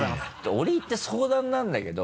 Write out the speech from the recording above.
折り入って相談なんだけど。